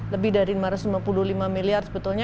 lebih dari lima puluh lima miliar sebetulnya